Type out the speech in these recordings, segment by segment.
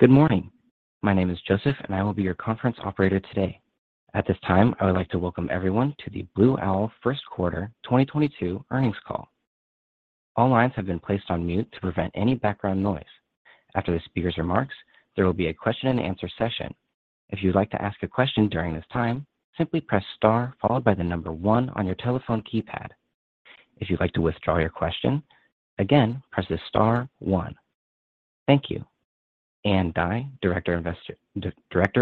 Good morning. My name is Joseph, and I will be your conference operator today. At this time, I would like to welcome everyone to the Blue Owl First Quarter 2022 Earnings Call. All lines have been placed on mute to prevent any background noise. After the speaker's remarks, there will be a question-and-answer session. If you'd like to ask a question during this time, simply press star followed by the number one on your telephone keypad. If you'd like to withdraw your question, again, press star one. Thank you. Ann Dai, Director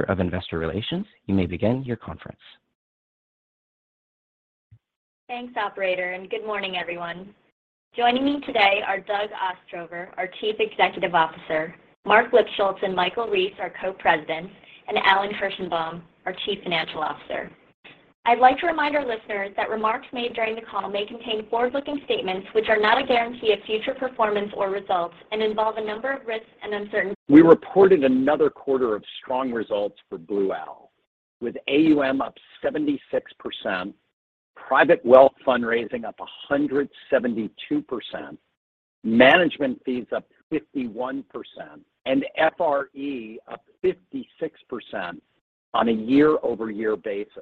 of Investor Relations, you may begin your conference. Thanks, operator, and good morning, everyone. Joining me today are Doug Ostrover, our Chief Executive Officer; Marc Lipschultz and Michael Rees, our Co-Presidents; and Alan Kirshenbaum, our Chief Financial Officer. I'd like to remind our listeners that remarks made during the call may contain forward-looking statements which are not a guarantee of future performance or results and involve a number of risks and uncertainties. We reported another quarter of strong results for Blue Owl, with AUM up 76%, private wealth fundraising up 172%, management fees up 51%, and FRE up 56% on a year-over-year basis.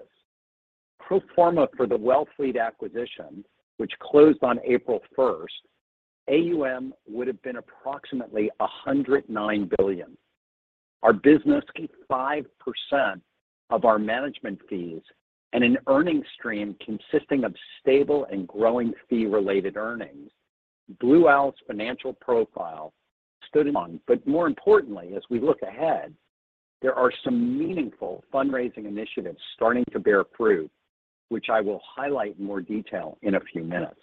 Pro forma for the Wellfleet acquisition, which closed on April 1, AUM would have been approximately $109 billion. Our business keeps 5% of our management fees and an earnings stream consisting of stable and growing fee-related earnings. Blue Owl's financial profile stood out. More importantly, as we look ahead, there are some meaningful fundraising initiatives starting to bear fruit, which I will highlight in more detail in a few minutes.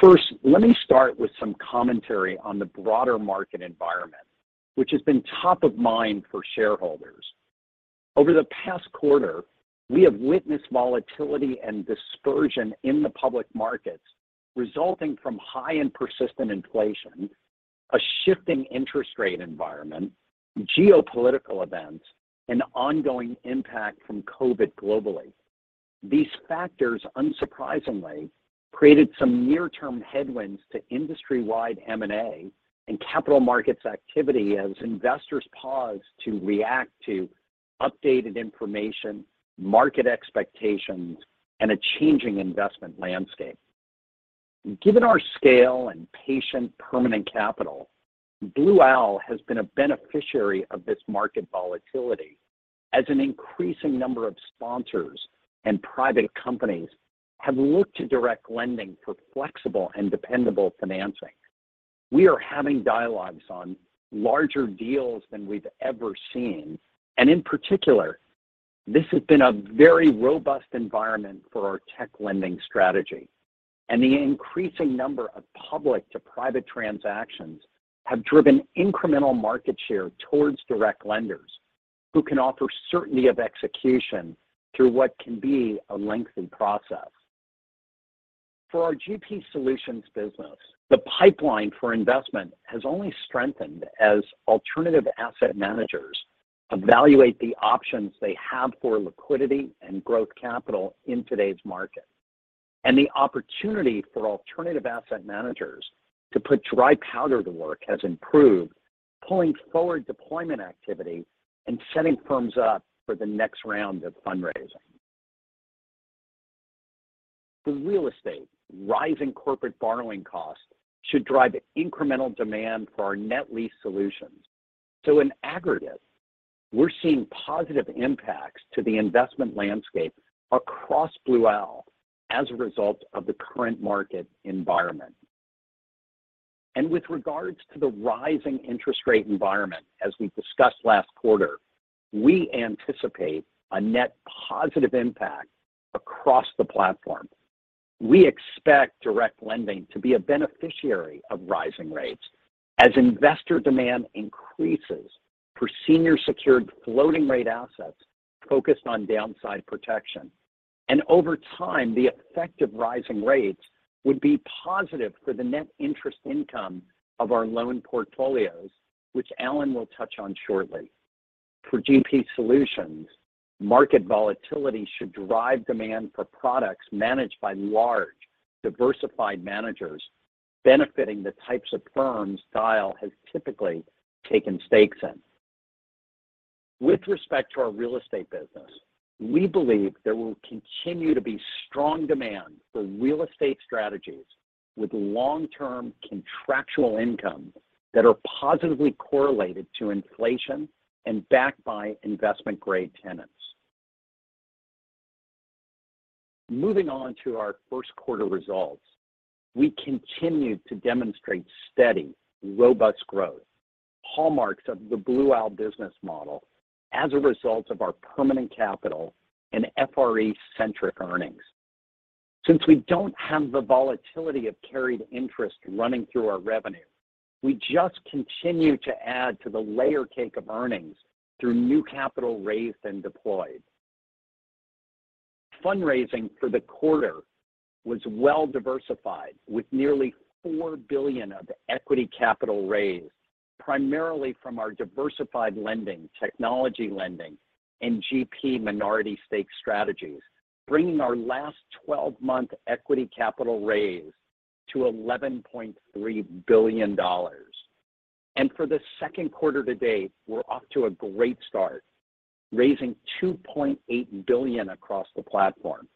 First, let me start with some commentary on the broader market environment, which has been top of mind for shareholders. Over the past quarter, we have witnessed volatility and dispersion in the public markets resulting from high and persistent inflation, a shifting interest rate environment, geopolitical events, and ongoing impact from COVID globally. These factors, unsurprisingly, created some near-term headwinds to industry-wide M&A and capital markets activity as investors paused to react to updated information, market expectations, and a changing investment landscape. Given our scale and patient permanent capital, Blue Owl has been a beneficiary of this market volatility as an increasing number of sponsors and private companies have looked to direct lending for flexible and dependable financing. We are having dialogues on larger deals than we've ever seen, and in particular, this has been a very robust environment for our tech lending strategy, and the increasing number of public to private transactions have driven incremental market share towards direct lenders who can offer certainty of execution through what can be a lengthy process. For our GP Solutions business, the pipeline for investment has only strengthened as alternative asset managers evaluate the options they have for liquidity and growth capital in today's market. The opportunity for alternative asset managers to put dry powder to work has improved, pulling forward deployment activity and setting firms up for the next round of fundraising. For real estate, rising corporate borrowing costs should drive incremental demand for our net lease solutions. In aggregate, we're seeing positive impacts to the investment landscape across Blue Owl as a result of the current market environment. With regards to the rising interest rate environment, as we discussed last quarter, we anticipate a net positive impact across the platform. We expect direct lending to be a beneficiary of rising rates as investor demand increases for senior secured floating rate assets focused on downside protection. Over time, the effect of rising rates would be positive for the net interest income of our loan portfolios, which Alan will touch on shortly. For GP Solutions, market volatility should drive demand for products managed by large, diversified managers benefiting the types of firms Dyal has typically taken stakes in. With respect to our real estate business, we believe there will continue to be strong demand for real estate strategies with long-term contractual income that are positively correlated to inflation and backed by investment-grade tenants. Moving on to our first quarter results. We continue to demonstrate steady, robust growth, hallmarks of the Blue Owl business model as a result of our permanent capital and FRE-centric earnings. Since we don't have the volatility of carried interest running through our revenue, we just continue to add to the layer cake of earnings through new capital raised and deployed. Fundraising for the quarter was well-diversified with nearly $4 billion of equity capital raised, primarily from our diversified lending, technology lending, and GP minority stake strategies, bringing our last twelve-month equity capital raise to $11.3 billion. For the second quarter to date, we're off to a great start, raising $2.8 billion across the platform.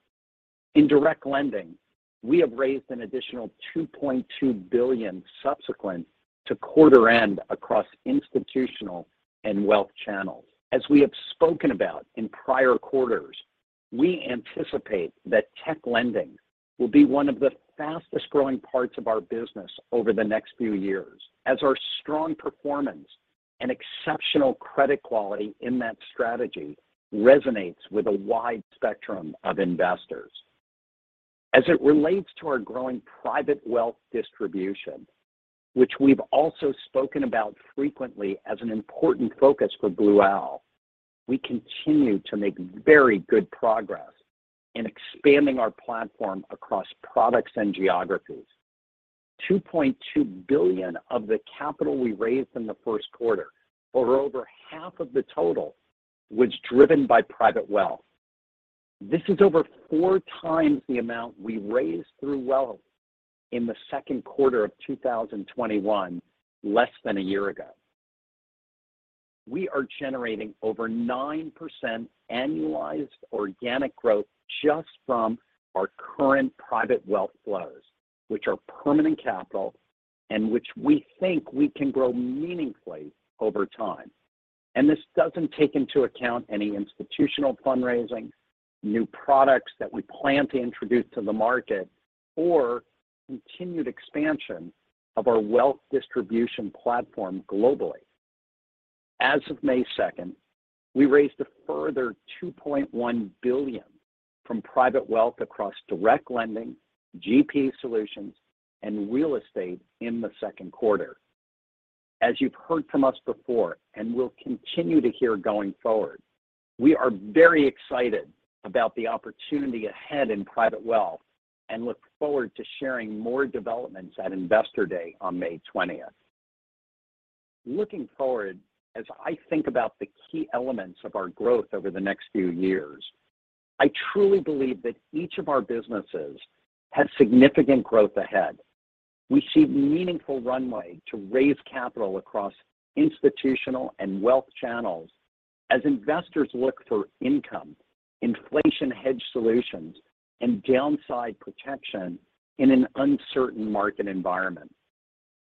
In direct lending, we have raised an additional $2.2 billion subsequent to quarter end across institutional and wealth channels. As we have spoken about in prior quarters, we anticipate that tech lending will be one of the fastest-growing parts of our business over the next few years as our strong performance and exceptional credit quality in that strategy resonates with a wide spectrum of investors. As it relates to our growing private wealth distribution, which we've also spoken about frequently as an important focus for Blue Owl, we continue to make very good progress in expanding our platform across products and geographies. $2.2 billion of the capital we raised in the first quarter, or over half of the total, was driven by private wealth. This is over 4 times the amount we raised through wealth in the second quarter of 2021, less than a year ago. We are generating over 9% annualized organic growth just from our current private wealth flows, which are permanent capital and which we think we can grow meaningfully over time. This doesn't take into account any institutional fundraising, new products that we plan to introduce to the market or continued expansion of our wealth distribution platform globally. As of May 2, we raised a further $2.1 billion from private wealth across direct lending, GP Solutions, and real estate in the second quarter. As you've heard from us before, and will continue to hear going forward, we are very excited about the opportunity ahead in private wealth and look forward to sharing more developments at Investor Day on May 20. Looking forward, as I think about the key elements of our growth over the next few years, I truly believe that each of our businesses has significant growth ahead. We see meaningful runway to raise capital across institutional and wealth channels as investors look for income, inflation hedge solutions, and downside protection in an uncertain market environment.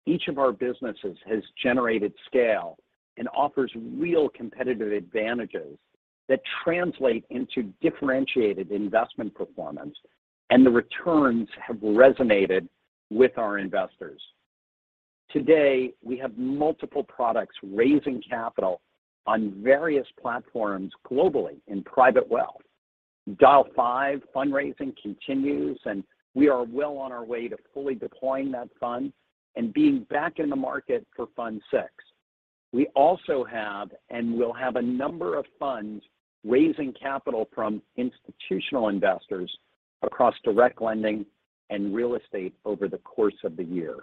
Each of our businesses has generated scale and offers real competitive advantages that translate into differentiated investment performance, and the returns have resonated with our investors. Today, we have multiple products raising capital on various platforms globally in private wealth. Dyal five fundraising continues, and we are well on our way to fully deploying that fund and being back in the market for fund six. We also have, and will have a number of funds raising capital from institutional investors across direct lending and real estate over the course of the year.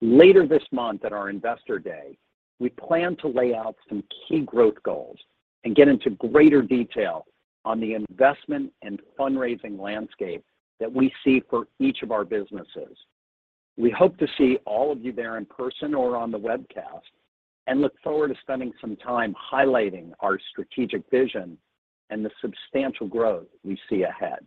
Later this month at our Investor Day, we plan to lay out some key growth goals and get into greater detail on the investment and fundraising landscape that we see for each of our businesses. We hope to see all of you there in person or on the webcast and look forward to spending some time highlighting our strategic vision and the substantial growth we see ahead.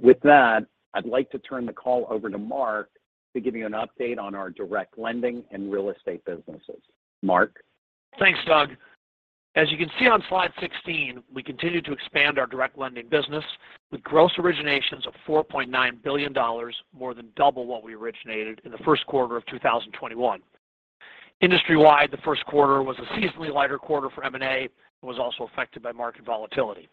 With that, I'd like to turn the call over to Marc Lipschultz to give you an update on our direct lending and real estate businesses. Marc Lipschultz? Thanks, Doug. As you can see on slide 16, we continue to expand our direct lending business with gross originations of $4.9 billion, more than double what we originated in the first quarter of 2021. Industry-wide, the first quarter was a seasonally lighter quarter for M&A and was also affected by market volatility.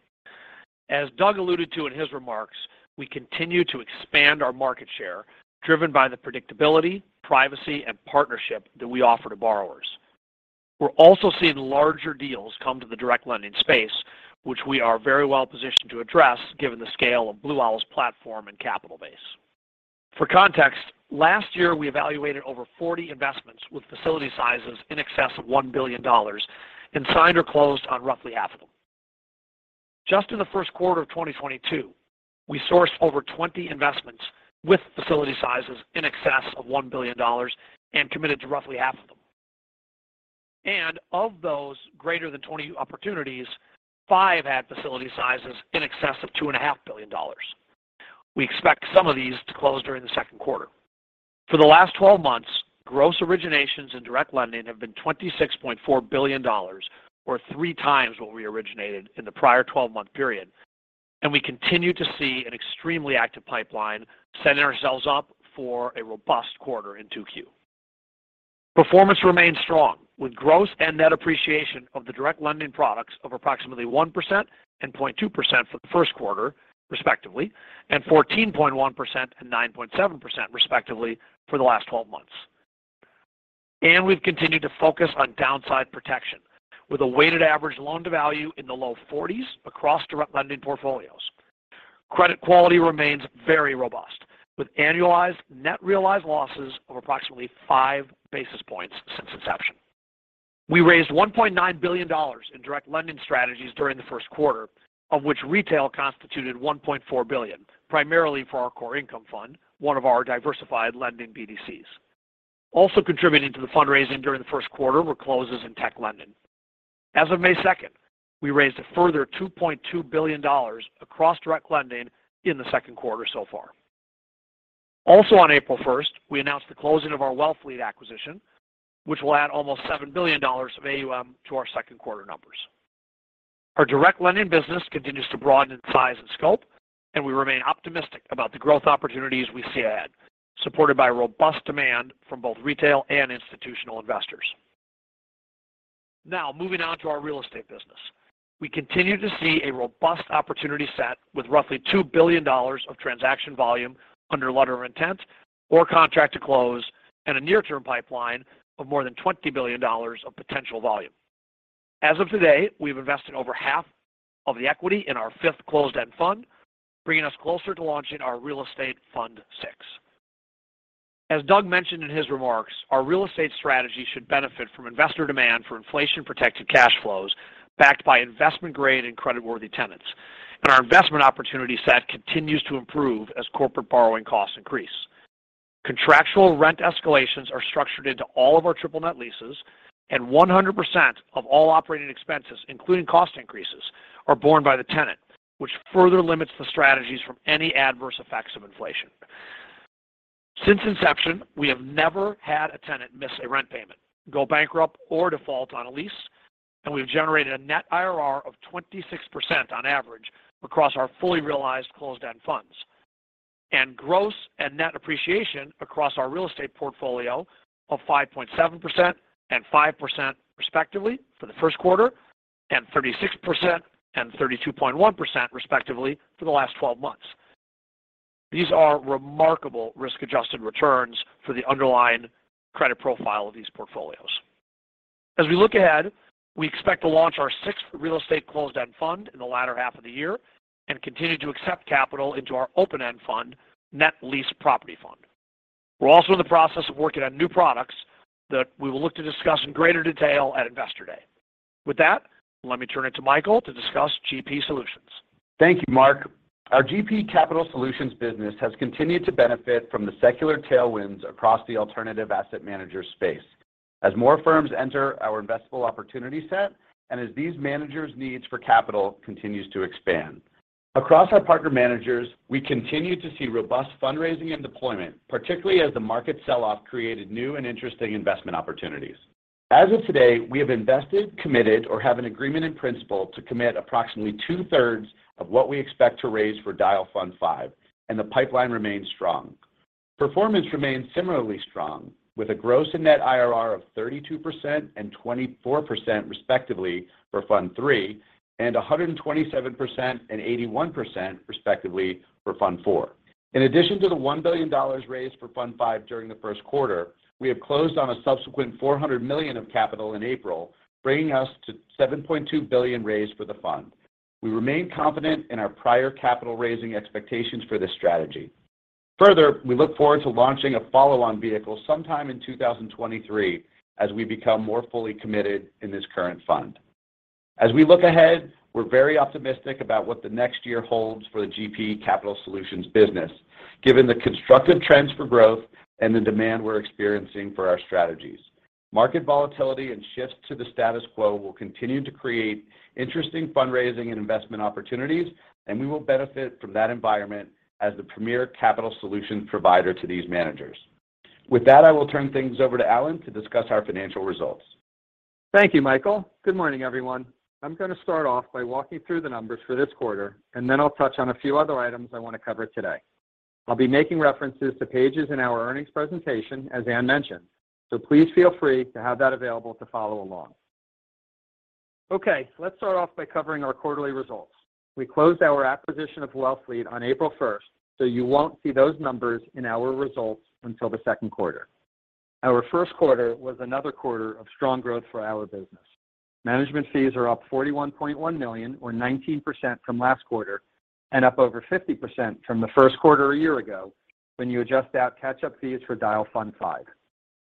As Doug alluded to in his remarks, we continue to expand our market share driven by the predictability, privacy, and partnership that we offer to borrowers. We're also seeing larger deals come to the direct lending space, which we are very well-positioned to address given the scale of Blue Owl's platform and capital base. For context, last year, we evaluated over 40 investments with facility sizes in excess of $1 billion and signed or closed on roughly half of them. Just in the first quarter of 2022, we sourced over 20 investments with facility sizes in excess of $1 billion and committed to roughly half of them. Of those greater than 20 opportunities, five had facility sizes in excess of $2.5 billion. We expect some of these to close during the second quarter. For the last twelve months, gross originations in direct lending have been $26.4 billion, or 3 times what we originated in the prior twelve-month period. We continue to see an extremely active pipeline setting ourselves up for a robust quarter in 2Q. Performance remains strong with gross and net appreciation of the direct lending products of approximately 1% and 0.2% for the first quarter, respectively, and 14.1% and 9.7%, respectively, for the last twelve months. We've continued to focus on downside protection with a weighted average loan-to-value in the low 40s across direct lending portfolios. Credit quality remains very robust, with annualized net realized losses of approximately 5 basis points since inception. We raised $1.9 billion in direct lending strategies during the first quarter, of which retail constituted $1.4 billion, primarily for our core income fund, one of our diversified lending BDCs. Also contributing to the fundraising during the first quarter were closes in tech lending. As of May 2, we raised a further $2.2 billion across direct lending in the second quarter so far. Also on April 1, we announced the closing of our Wellfleet acquisition, which will add almost $7 billion of AUM to our second quarter numbers. Our direct lending business continues to broaden in size and scope, and we remain optimistic about the growth opportunities we see ahead, supported by robust demand from both retail and institutional investors. Now, moving on to our real estate business. We continue to see a robust opportunity set with roughly $2 billion of transaction volume under letter of intent or contract to close and a near-term pipeline of more than $20 billion of potential volume. As of today, we've invested over half of the equity in our fifth closed-end fund, bringing us closer to launching our real estate fund six. As Doug mentioned in his remarks, our real estate strategy should benefit from investor demand for inflation-protected cash flows backed by investment-grade and creditworthy tenants. Our investment opportunity set continues to improve as corporate borrowing costs increase. Contractual rent escalations are structured into all of our triple net leases, and 100% of all operating expenses, including cost increases, are borne by the tenant, which further limits the strategies from any adverse effects of inflation. Since inception, we have never had a tenant miss a rent payment, go bankrupt, or default on a lease, and we've generated a net IRR of 26% on average across our fully realized closed-end funds. Gross and net appreciation across our real estate portfolio of 5.7% and 5% respectively for the first quarter, and 36% and 32.1% respectively for the last twelve months. These are remarkable risk-adjusted returns for the underlying credit profile of these portfolios. As we look ahead, we expect to launch our sixth real estate closed-end fund in the latter half of the year and continue to accept capital into our open-end fund, Net Lease Property Fund. We're also in the process of working on new products that we will look to discuss in greater detail at Investor Day. With that, let me turn it to Michael to discuss GP Solutions. Thank you, Marc. Our GP Capital Solutions business has continued to benefit from the secular tailwinds across the alternative asset management space as more firms enter our investable opportunity set and as these managers' needs for capital continues to expand. Across our partner managers, we continue to see robust fundraising and deployment, particularly as the market sell-off created new and interesting investment opportunities. As of today, we have invested, committed, or have an agreement in principle to commit approximately two-thirds of what we expect to raise for Dyal Fund Five, and the pipeline remains strong. Performance remains similarly strong, with a gross and net IRR of 32% and 24% respectively for Fund Three and 127% and 81% respectively for Fund Four. In addition to the $1 billion raised for Fund Five during the first quarter, we have closed on a subsequent $400 million of capital in April, bringing us to $7.2 billion raised for the fund. We remain confident in our prior capital raising expectations for this strategy. Further, we look forward to launching a follow-on vehicle sometime in 2023 as we become more fully committed in this current fund. As we look ahead, we're very optimistic about what the next year holds for the GP Capital Solutions business, given the constructive trends for growth and the demand we're experiencing for our strategies. Market volatility and shifts to the status quo will continue to create interesting fundraising and investment opportunities, and we will benefit from that environment as the premier capital solutions provider to these managers. With that, I will turn things over to Alan to discuss our financial results. Thank you, Michael. Good morning, everyone. I'm going to start off by walking through the numbers for this quarter, and then I'll touch on a few other items I want to cover today. I'll be making references to pages in our earnings presentation, as Anne mentioned, so please feel free to have that available to follow along. Okay, let's start off by covering our quarterly results. We closed our acquisition of Wellfleet on April first, so you won't see those numbers in our results until the second quarter. Our first quarter was another quarter of strong growth for our business. Management fees are up $41.1 million or 19% from last quarter and up over 50% from the first quarter a year ago when you adjust out catch-up fees for Dyal Fund Five.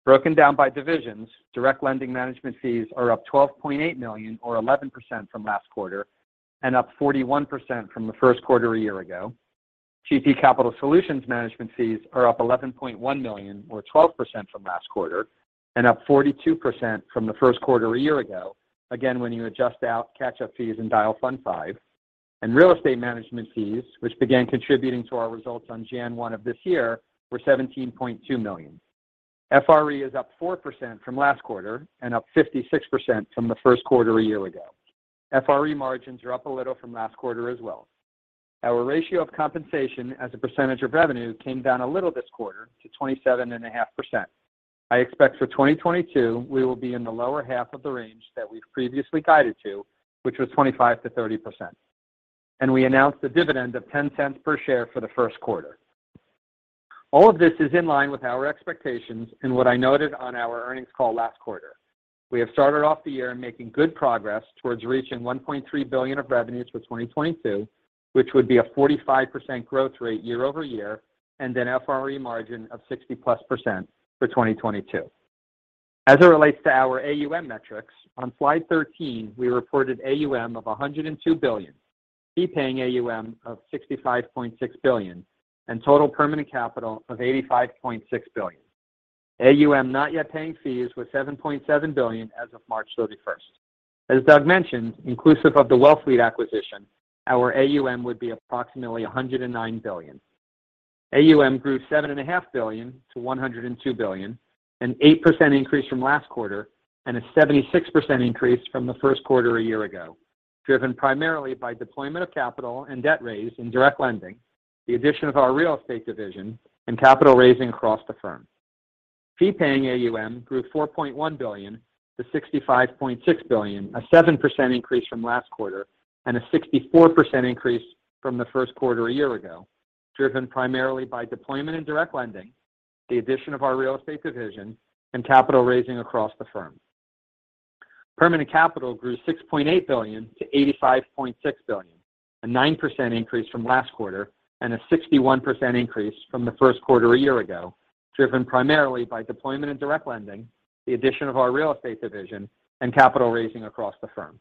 Broken down by divisions, direct lending management fees are up $12.8 million or 11% from last quarter and up 41% from the first quarter a year ago. GP Capital Solutions management fees are up $11.1 million or 12% from last quarter and up 42% from the first quarter a year ago. Again, when you adjust out catch-up fees in Dyal Fund Five. Real estate management fees, which began contributing to our results on January 1 of this year, were $17.2 million. FRE is up 4% from last quarter and up 56% from the first quarter a year ago. FRE margins are up a little from last quarter as well. Our ratio of compensation as a percentage of revenue came down a little this quarter to 27.5%. I expect for 2022, we will be in the lower half of the range that we've previously guided to, which was 25%-30%. We announced a dividend of $0.10 per share for the first quarter. All of this is in line with our expectations and what I noted on our earnings call last quarter. We have started off the year making good progress towards reaching $1.3 billion of revenues for 2022, which would be a 45% growth rate year-over-year, and an FRE margin of 60+% for 2022. As it relates to our AUM metrics, on slide 13, we reported AUM of $102 billion, fee-paying AUM of $65.6 billion, and total permanent capital of $85.6 billion. AUM not yet paying fees was $7.7 billion as of March 31. As Doug mentioned, inclusive of the Wellfleet acquisition, our AUM would be approximately $109 billion. AUM grew $7.5 billion to $102 billion, an 8% increase from last quarter and a 76% increase from the first quarter a year ago, driven primarily by deployment of capital and debt raised in direct lending, the addition of our real estate division, and capital raising across the firm. Fee paying AUM grew $4.1 billion to $65.6 billion, a 7% increase from last quarter and a 64% increase from the first quarter a year ago, driven primarily by deployment in direct lending, the addition of our real estate division, and capital raising across the firm. Permanent capital grew $6.8 billion to $85.6 billion, a 9% increase from last quarter and a 61% increase from the first quarter a year ago, driven primarily by deployment in direct lending, the addition of our real estate division, and capital raising across the firm.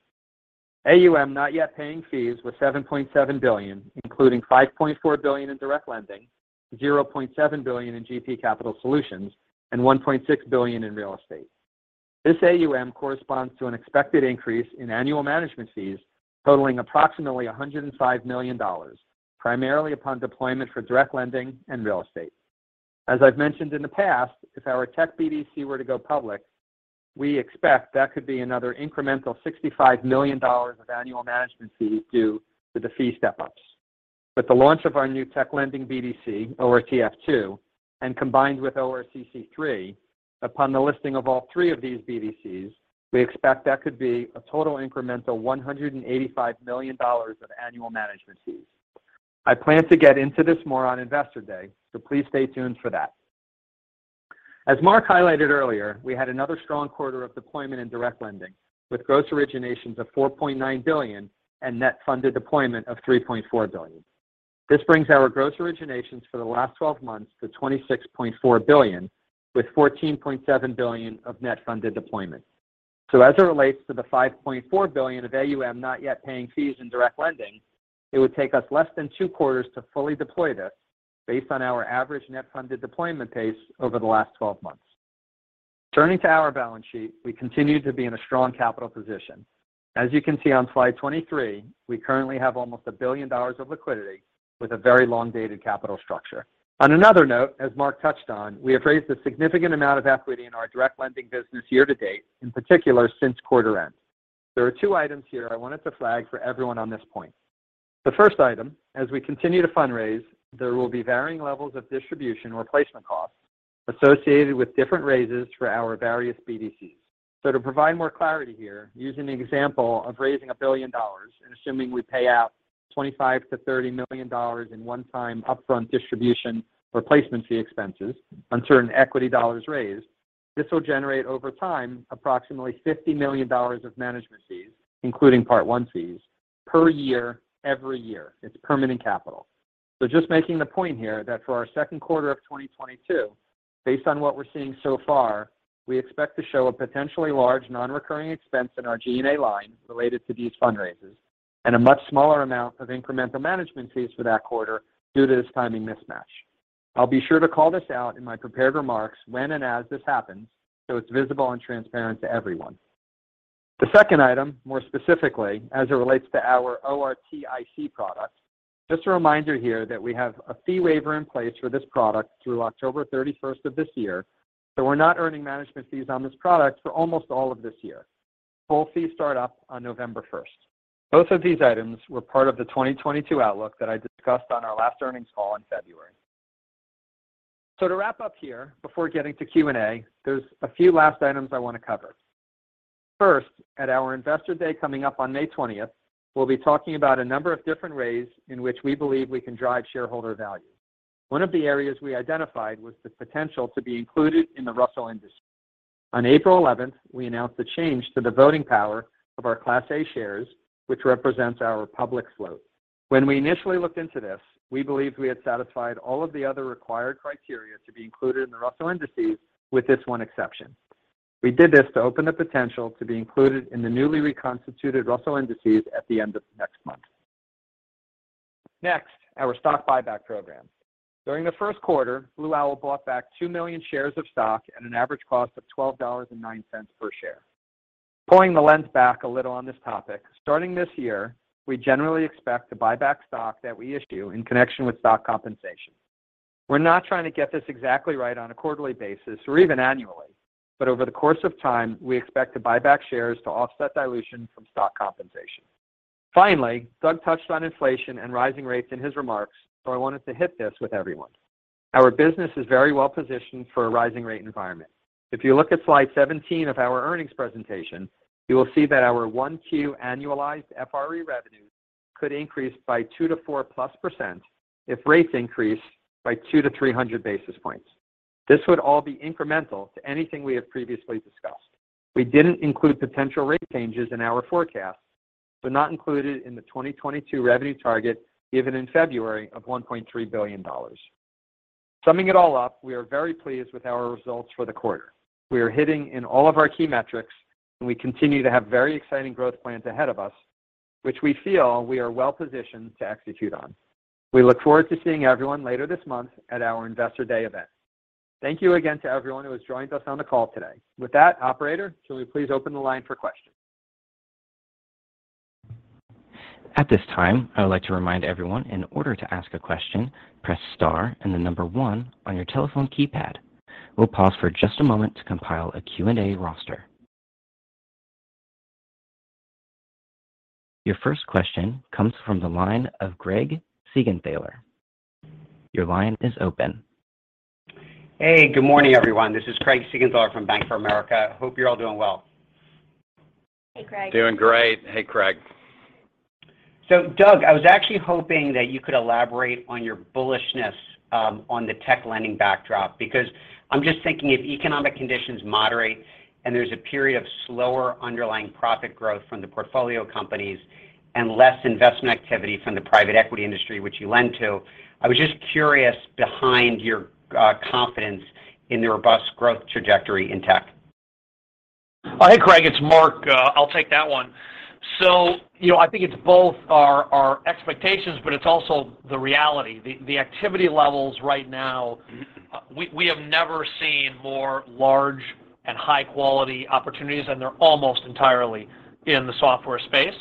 AUM not yet paying fees was $7.7 billion, including $5.4 billion in direct lending, $0.7 billion in GP Capital Solutions, and $1.6 billion in real estate. This AUM corresponds to an expected increase in annual management fees totaling approximately $105 million, primarily upon deployment for direct lending and real estate. As I've mentioned in the past, if our tech BDC were to go public, we expect that could be another incremental $65 million of annual management fees due to the fee step-ups. With the launch of our new tech lending BDC, ORTF II, and combined with ORCC III, upon the listing of all three of these BDCs, we expect that could be a total incremental $185 million of annual management fees. I plan to get into this more on Investor Day, so please stay tuned for that. As Marc highlighted earlier, we had another strong quarter of deployment in direct lending with gross originations of $4.9 billion and net funded deployment of $3.4 billion. This brings our gross originations for the last twelve months to $26.4 billion, with $14.7 billion of net funded deployment. As it relates to the $5.4 billion of AUM not yet paying fees in direct lending, it would take us less than two quarters to fully deploy this based on our average net funded deployment pace over the last 12 months. Turning to our balance sheet, we continue to be in a strong capital position. As you can see on slide 23, we currently have almost $1 billion of liquidity with a very long-dated capital structure. On another note, as Marc touched on, we have raised a significant amount of equity in our direct lending business year to date, in particular since quarter end. There are two items here I wanted to flag for everyone on this point. The first item, as we continue to fundraise, there will be varying levels of distribution replacement costs associated with different raises for our various BDCs. To provide more clarity here, using the example of raising $1 billion and assuming we pay out $25 million-$30 million in one-time upfront distribution replacement fee expenses on certain equity dollars raised, this will generate over time approximately $50 million of management fees, including Part I fees per year every year. It's permanent capital. Just making the point here that for our second quarter of 2022, based on what we're seeing so far, we expect to show a potentially large non-recurring expense in our G&A line related to these fundraisers and a much smaller amount of incremental management fees for that quarter due to this timing mismatch. I'll be sure to call this out in my prepared remarks when and as this happens so it's visible and transparent to everyone. The second item, more specifically as it relates to our ORCIC product. Just a reminder here that we have a fee waiver in place for this product through October 31st of this year, so we're not earning management fees on this product for almost all of this year. Full fees start up on November 1st. Both of these items were part of the 2022 outlook that I discussed on our last earnings call in February. To wrap up here before getting to Q&A, there's a few last items I want to cover. First, at our Investor Day coming up on May 20th, we'll be talking about a number of different ways in which we believe we can drive shareholder value. One of the areas we identified was the potential to be included in the Russell Indexes. On April 11th, we announced the change to the voting power of our Class A shares, which represents our public float. When we initially looked into this, we believed we had satisfied all of the other required criteria to be included in the Russell Indexes with this one exception. We did this to open the potential to be included in the newly reconstituted Russell Indexes at the end of next month. Next, our stock buyback program. During the first quarter, Blue Owl bought back 2 million shares of stock at an average cost of $12.09 per share. Pulling the lens back a little on this topic, starting this year, we generally expect to buy back stock that we issue in connection with stock compensation. We're not trying to get this exactly right on a quarterly basis or even annually, but over the course of time, we expect to buy back shares to offset dilution from stock compensation. Finally, Doug touched on inflation and rising rates in his remarks, so I wanted to hit this with everyone. Our business is very well positioned for a rising rate environment. If you look at slide 17 of our earnings presentation, you will see that our 1Q annualized FRE revenues could increase by 2%-4%+ if rates increase by 200-300 basis points. This would all be incremental to anything we have previously discussed. We didn't include potential rate changes in our forecast, but not included in the 2022 revenue target given in February of $1.3 billion. Summing it all up, we are very pleased with our results for the quarter. We are hitting in all of our key metrics, and we continue to have very exciting growth plans ahead of us, which we feel we are well-positioned to execute on. We look forward to seeing everyone later this month at our Investor Day event. Thank you again to everyone who has joined us on the call today. With that, operator, can we please open the line for questions? At this time, I would like to remind everyone in order to ask a question, press star and the number one on your telephone keypad. We'll pause for just a moment to compile a Q&A roster. Your first question comes from the line of Craig Siegenthaler. Your line is open. Hey, good morning, everyone. This is Craig Siegenthaler from Bank of America. Hope you're all doing well. Hey, Craig. Doing great. Hey, Craig. Doug, I was actually hoping that you could elaborate on your bullishness on the tech lending backdrop, because I'm just thinking if economic conditions moderate and there's a period of slower underlying profit growth from the portfolio companies and less investment activity from the private equity industry, which you lend to, I was just curious behind your confidence in the robust growth trajectory in tech. Hey, Craig, it's Marc. I'll take that one. You know, I think it's both our expectations, but it's also the reality. The activity levels right now, we have never seen more large and high-quality opportunities, and they're almost entirely in the software space.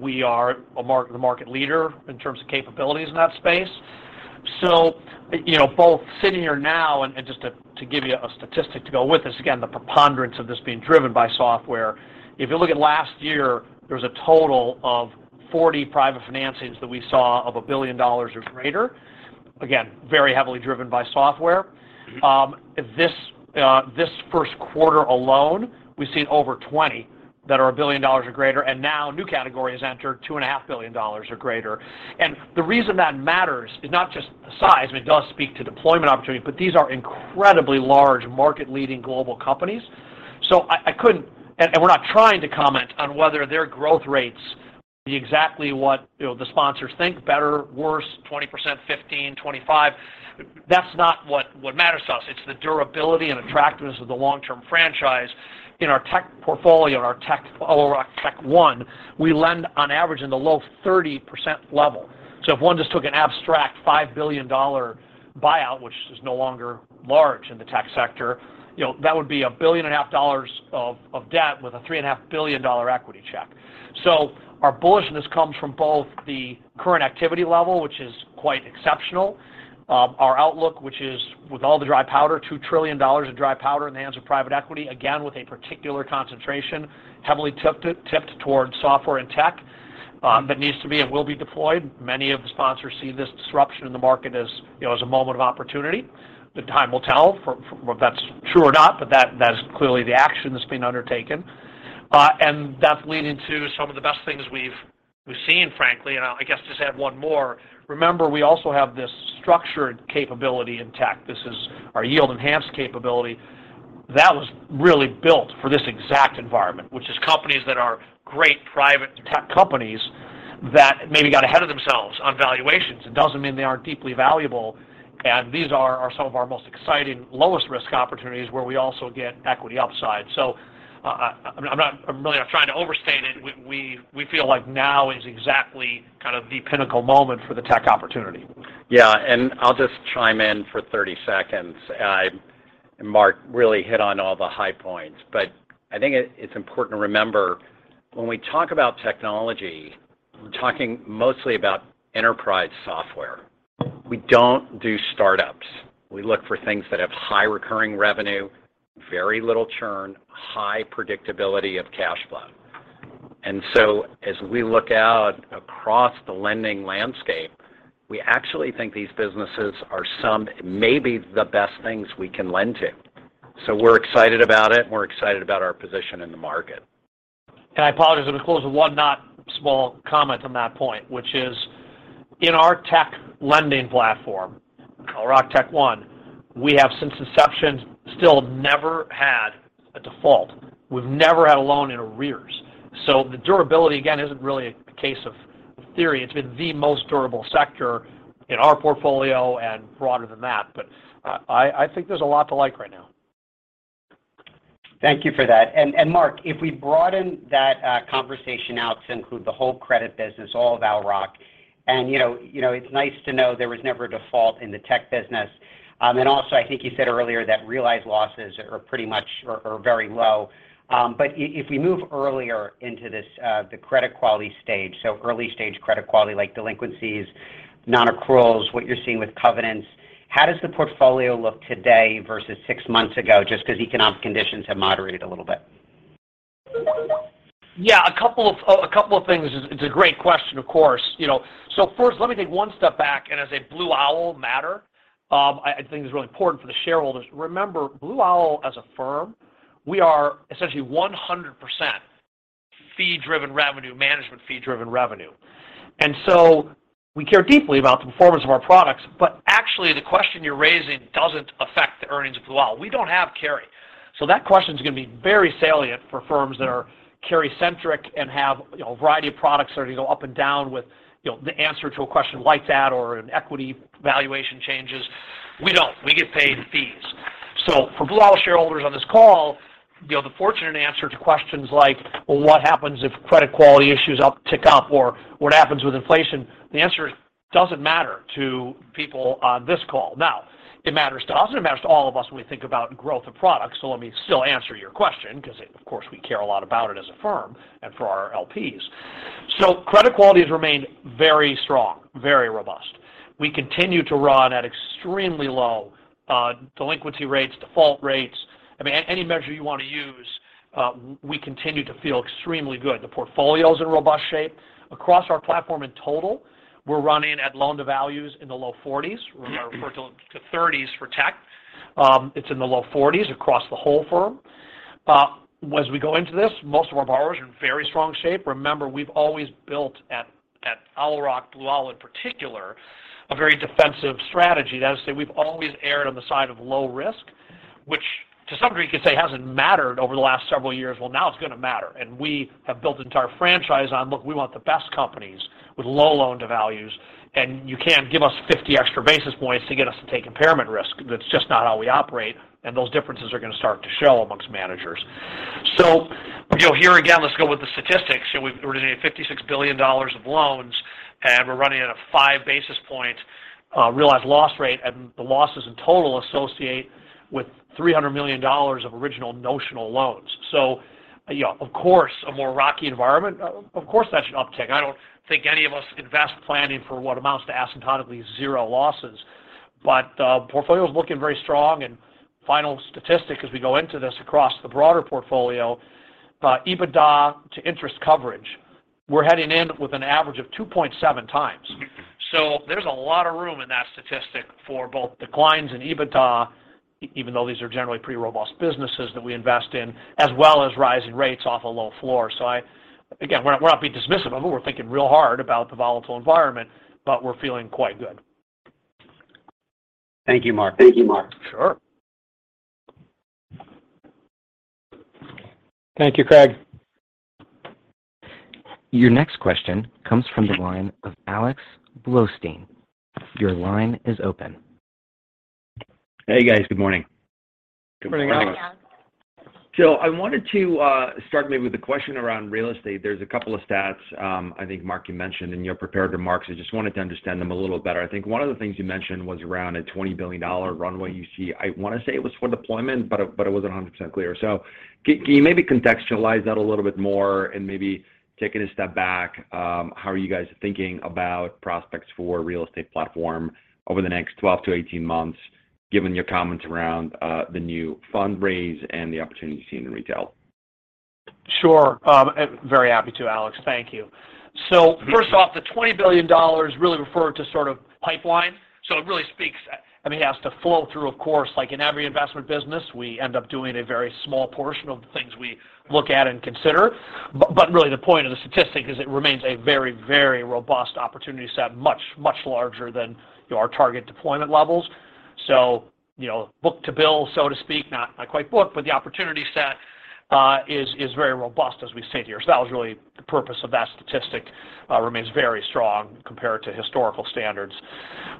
We are the market leader in terms of capabilities in that space. You know, both sitting here now and just to give you a statistic to go with this, again, the preponderance of this being driven by software. If you look at last year, there was a total of 40 private financings that we saw of $1 billion or greater. Again, very heavily driven by software. This first quarter alone, we've seen over 20 that are $1 billion or greater, and now new categories enter $2.5 billion or greater. The reason that matters is not just the size, it does speak to deployment opportunity, but these are incredibly large market-leading global companies. I couldn't—and we're not trying to comment on whether their growth rates will be exactly what, you know, the sponsors think, better, worse, 20%, 15%, 25%. That's not what matters to us. It's the durability and attractiveness of the long-term franchise. In our tech portfolio, or our tech one, we lend on average in the low 30% level. If one just took an abstract $5 billion buyout, which is no longer large in the tech sector, you know, that would be $1.5 billion of debt with a $3.5 billion equity check. Our bullishness comes from both the current activity level, which is quite exceptional. Our outlook, which is with all the dry powder, $2 trillion of dry powder in the hands of private equity, again, with a particular concentration, heavily tipped towards software and tech, that needs to be and will be deployed. Many of the sponsors see this disruption in the market as, you know, as a moment of opportunity. The time will tell for whether that's true or not, but that is clearly the action that's been undertaken. That's leading to some of the best things we've seen, frankly. I guess just add one more. Remember, we also have this structured capability in tech. This is our yield-enhanced capability. That was really built for this exact environment, which is companies that are great private tech companies that maybe got ahead of themselves on valuations. It doesn't mean they aren't deeply valuable. These are some of our most exciting, lowest risk opportunities where we also get equity upside. I'm really not trying to overstate it. We feel like now is exactly kind of the pinnacle moment for the tech opportunity. Yeah. I'll just chime in for 30 seconds. Marc really hit on all the high points. I think it's important to remember when we talk about technology, we're talking mostly about enterprise software. We don't do startups. We look for things that have high recurring revenue, very little churn, high predictability of cash flow. As we look out across the lending landscape, we actually think these businesses are some maybe the best things we can lend to. We're excited about it, and we're excited about our position in the market. I apologize. Let me close with one not small comment on that point, which is in our tech lending platform, Owl Rock Tech One, we have since inception still never had a default. We've never had a loan in arrears. So the durability, again, isn't really a case of theory. It's been the most durable sector in our portfolio and broader than that. But I think there's a lot to like right now. Thank you for that. And Marc, if we broaden that conversation out to include the whole credit business, all of Owl Rock, you know, it's nice to know there was never a default in the tech business. And also, I think you said earlier that realized losses are pretty much or very low. If we move earlier into this, the credit quality stage, so early-stage credit quality like delinquencies, non-accruals, what you're seeing with covenants, how does the portfolio look today versus six months ago, just because economic conditions have moderated a little bit? Yeah. A couple of things. It's a great question, of course. You know, first, let me take one step back and as a Blue Owl matter, I think it's really important for the shareholders. Remember, Blue Owl as a firm, we are essentially 100% fee-driven revenue, management fee-driven revenue. We care deeply about the performance of our products, but actually the question you're raising doesn't affect the earnings of Blue Owl. We don't have carry. That question's gonna be very salient for firms that are carry-centric and have, you know, a variety of products that are gonna go up and down with, you know, the answer to a question like that or in equity valuation changes. We don't. We get paid fees. For Blue Owl shareholders on this call, you know, the fortunate answer to questions like, "Well, what happens if credit quality issues tick up?" Or, "What happens with inflation?" The answer is, doesn't matter to people on this call. Now, it matters to us, and it matters to all of us when we think about growth of products, so let me still answer your question because of course, we care a lot about it as a firm and for our LPs. Credit quality has remained very strong, very robust. We continue to run at extremely low delinquency rates, default rates. I mean, any measure you wanna use, we continue to feel extremely good. The portfolio's in robust shape. Across our platform in total, we're running at loan-to-value in the low forties. I refer to thirties for tech. It's in the low forties across the whole firm. As we go into this, most of our borrowers are in very strong shape. Remember, we've always built at Owl Rock, Blue Owl in particular, a very defensive strategy. That is to say we've always erred on the side of low risk, which to some degree you could say hasn't mattered over the last several years. Well, now it's gonna matter, and we have built an entire franchise on, look, we want the best companies with low loan-to-values. You can't give us 50 extra basis points to get us to take impairment risk. That's just not how we operate, and those differences are gonna start to show among managers. You know, here again, let's go with the statistics. You know, we've originated $56 billion of loans, and we're running at a 5 basis point realized loss rate. The losses in total associate with $300 million of original notional loans. You know, of course, a more rocky environment, of course that's an uptick. I don't think any of us can invest planning for what amounts to asymptotically zero losses. Portfolio's looking very strong. Final statistic as we go into this across the broader portfolio, EBITDA to interest coverage, we're heading in with an average of 2.7 times. There's a lot of room in that statistic for both declines in EBITDA even though these are generally pretty robust businesses that we invest in, as well as rising rates off a low floor. Again, we're not being dismissive of them. We're thinking real hard about the volatile environment, but we're feeling quite good. Thank you, Marc. Thank you, Marc. Sure. Thank you, Craig. Your next question comes from the line of Alex Blostein. Your line is open. Hey, guys. Good morning. Good morning, Alex. Good morning. I wanted to start maybe with a question around real estate. There's a couple of stats, I think, Marc, you mentioned in your prepared remarks. I just wanted to understand them a little better. I think one of the things you mentioned was around a $20 billion runway you see. I wanna say it was for deployment, but it wasn't 100% clear. Can you maybe contextualize that a little bit more? Maybe taking a step back, how are you guys thinking about prospects for real estate platform over the next 12-18 months, given your comments around the new fundraise and the opportunity you see in retail? Sure. Very happy to, Alex. Thank you. First off, the $20 billion really refer to sort of pipeline. It really speaks, I mean, it has to flow through, of course. Like in every investment business, we end up doing a very small portion of the things we look at and consider. But really the point of the statistic is it remains a very robust opportunity set, much larger than our target deployment levels. You know, book to bill, so to speak, not quite booked, but the opportunity set is very robust, as we say here. That was really the purpose of that statistic, remains very strong compared to historical standards.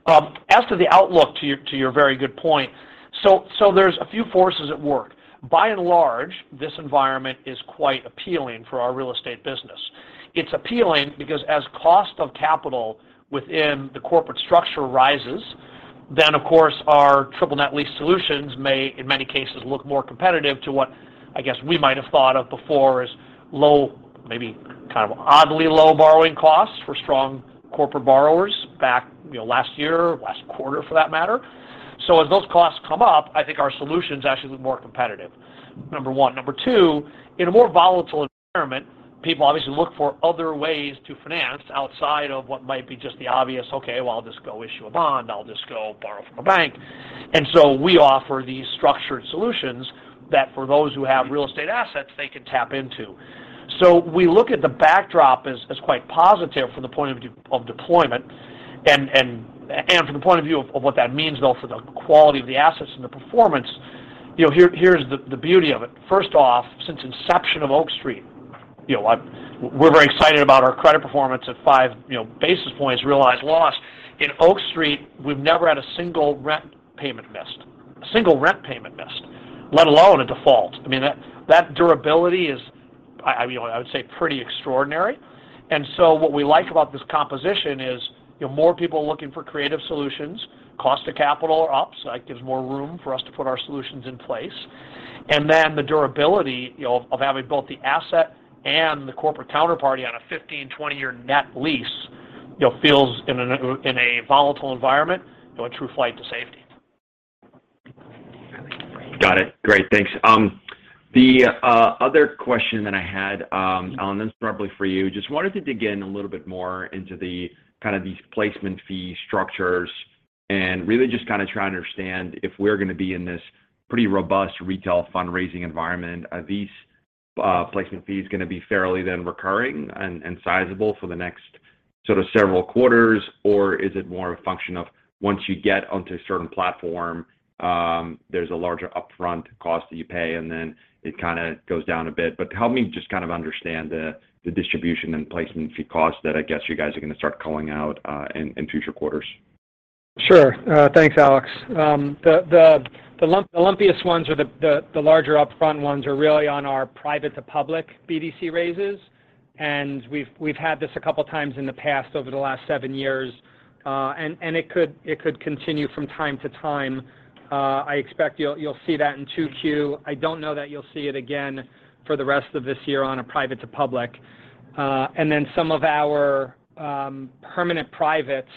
As to the outlook, to your very good point. There's a few forces at work. By and large, this environment is quite appealing for our real estate business. It's appealing because as cost of capital within the corporate structure rises, then of course our triple net lease solutions may in many cases look more competitive to what I guess we might have thought of before as low, maybe kind of oddly low borrowing costs for strong corporate borrowers back, you know, last year, last quarter for that matter. So as those costs come up, I think our solutions actually look more competitive, number one. Number two, in a more volatile environment, people obviously look for other ways to finance outside of what might be just the obvious, "Okay, well, I'll just go issue a bond. I'll just go borrow from a bank." We offer these structured solutions that for those who have real estate assets, they can tap into. We look at the backdrop as quite positive from the point of view of deployment and from the point of view of what that means though for the quality of the assets and the performance. You know, here's the beauty of it. First off, since inception of Oak Street, you know, we're very excited about our credit performance at five basis points realized loss. In Oak Street, we've never had a single rent payment missed, let alone a default. I mean, that durability is, I you know, I would say pretty extraordinary. What we like about this composition is, you know, more people are looking for creative solutions. Cost of capital are up, so that gives more room for us to put our solutions in place. The durability, you know, of having both the asset and the corporate counterparty on a 15, 20-year net lease, you know, feels in a volatile environment, you know, a true flight to safety. Got it. Great. Thanks. The other question that I had, Alan, this is probably for you. Just wanted to dig in a little bit more into the kind of these placement fee structures. And really just kind of try and understand if we're gonna be in this pretty robust retail fundraising environment. Are these placement fees gonna be fairly then recurring and sizable for the next sort of several quarters? Or is it more a function of once you get onto a certain platform, there's a larger upfront cost that you pay, and then it kinda goes down a bit. Help me just kind of understand the distribution and placement fee costs that I guess you guys are gonna start calling out in future quarters. Sure. Thanks, Alex. The lumpiest ones are the larger upfront ones are really on our private to public BDC raises. We've had this a couple times in the past over the last seven years, and it could continue from time to time. I expect you'll see that in 2Q. I don't know that you'll see it again for the rest of this year on a private to public. And then some of our permanent privates,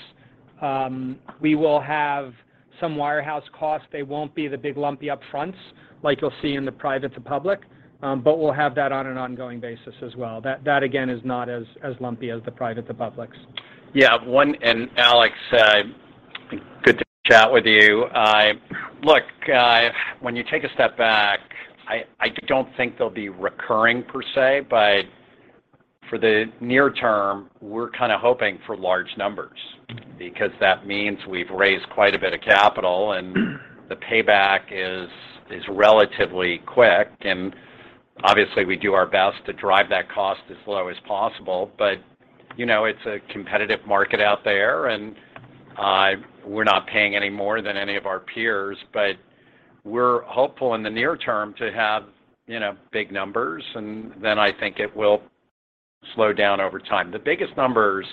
we will have some warehouse costs. They won't be the big lumpy up fronts like you'll see in the private to public. But we'll have that on an ongoing basis as well. That again is not as lumpy as the private to publics. Yeah. Alex, good to chat with you. Look, when you take a step back, I don't think they'll be recurring per se. For the near term, we're kinda hoping for large numbers because that means we've raised quite a bit of capital, and the payback is relatively quick. Obviously we do our best to drive that cost as low as possible. You know, it's a competitive market out there, and we're not paying any more than any of our peers. We're hopeful in the near term to have, you know, big numbers, and then I think it will slow down over time. The biggest numbers,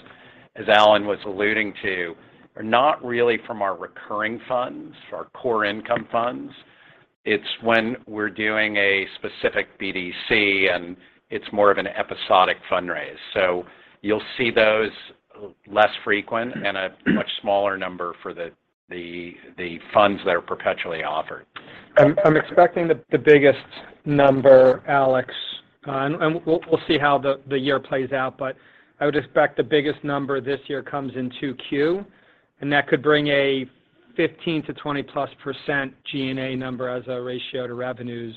as Alan was alluding to, are not really from our recurring funds or our core income funds. It's when we're doing a specific BDC and it's more of an episodic fundraise. You'll see those less frequent and a much smaller number for the funds that are perpetually offered. I'm expecting the biggest number, Alex. We'll see how the year plays out, but I would expect the biggest number this year comes in 2Q, and that could bring a 15-20+% G&A number as a ratio to revenues.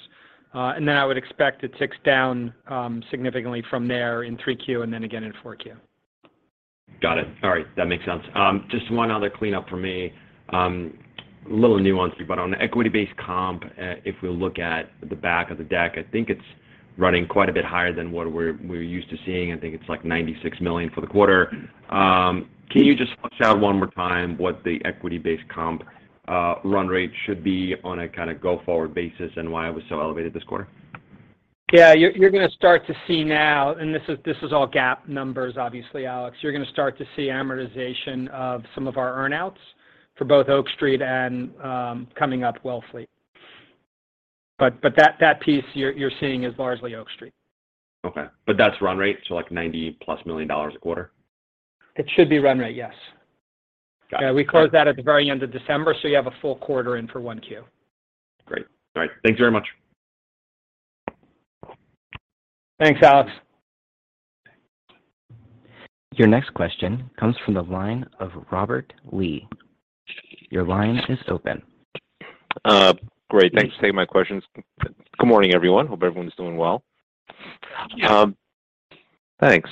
I would expect it ticks down significantly from there in 3Q and then again in 4Q. Got it. All right. That makes sense. Just one other cleanup for me. A little nuance, but on the equity-based comp, if we look at the back of the deck, I think it's running quite a bit higher than what we're used to seeing. I think it's like $96 million for the quarter. Can you just flesh out one more time what the equity-based comp run rate should be on a kinda go-forward basis and why it was so elevated this quarter? Yeah. You're gonna start to see now, and this is all GAAP numbers, obviously, Alex. You're gonna start to see amortization of some of our earn-outs for both Oak Street and coming up Wellfleet. That piece you're seeing is largely Oak Street. Okay. That's run rate, so like $90+ million a quarter? It should be run rate, yes. Got it. Yeah, we closed that at the very end of December, so you have a full quarter in for 1Q. Great. All right. Thank you very much. Thanks, Alex. Your next question comes from the line of Robert Lee. Your line is open. Great. Thanks for taking my questions. Good morning, everyone. Hope everyone's doing well. Yeah. Thanks.